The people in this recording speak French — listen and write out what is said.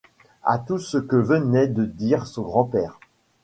à tout ce que venait de dire son grand-père.